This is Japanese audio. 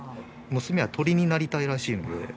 娘は鳥になりたいらしいので。